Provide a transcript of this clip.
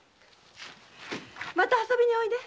また遊びにおいで。